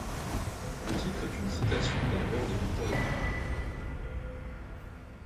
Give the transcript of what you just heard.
Le titre est une citation d'un vers de Victor Hugo.